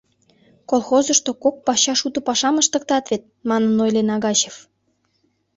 Колхозышто кок пачаш уто пашам ыштыктат вет, — манын ойлен Агачев.